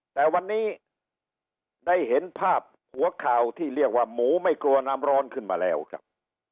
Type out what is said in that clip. แต่วันนี้ได้เห็นภาพหัวข่าวที่เรียกว่าหมูไม่กลัวน้ำร้อนขึ้นมาแล้วครับ